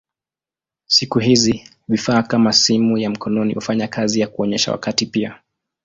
Siku hizi vifaa kama simu ya mkononi hufanya kazi ya kuonyesha wakati pia.